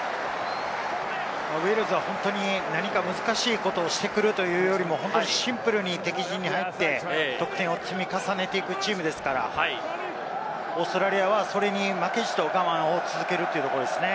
ウェールズは本当に何か難しいことをしてくるというよりは、シンプルに敵陣に入って、得点を積み重ねていくチームですから、オーストラリアは、それに負けじと我慢を続けるというところですね。